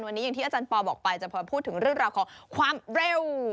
วันนี้อย่างที่อาจารย์ปอลบอกไปจะพอพูดถึงเรื่องราวของความเร็ว